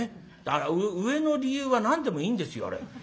上の理由は何でもいいんですよあれ。